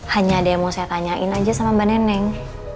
hanya ada yang mau saya tanyain aja sama mbak neneng